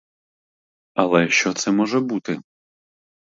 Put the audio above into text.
Але що це може бути?